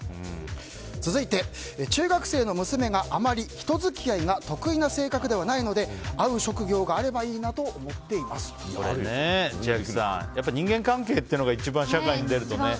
続いて、中学生の娘があまり人付き合いが得意な性格ではないので合う職業があればいいなと千秋さん、人間関係ってのが一番、社会に出るとね。